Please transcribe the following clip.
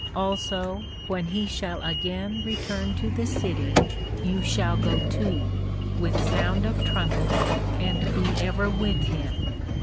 Also when he shall again return to the City, you shall go too, with sound of Trumpet, and be ever with him.